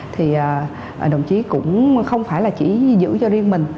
thì đồng chí cũng không phải là chỉ giữ cho riêng mình